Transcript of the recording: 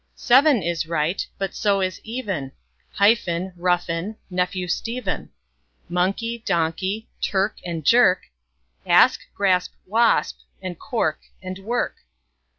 Seven is right, but so is even; Hyphen, roughen, nephew, Stephen; Monkey, donkey; clerk and jerk; Asp, grasp, wasp; and cork and work.